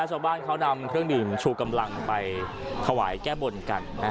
ชาวบ้านเขานำเครื่องดื่มชูกำลังไปถวายแก้บนกัน